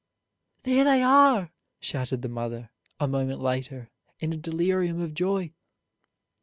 "There they are!" shouted the mother a moment later, in a delirium of joy.